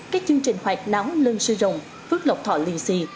các chương trình hoạt náo lân sư rồng phước lộc thọ liên xì